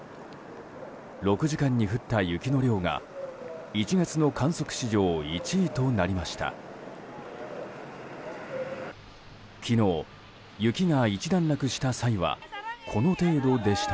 ６時間に降った雪の量が１月の観測史上１位となりました。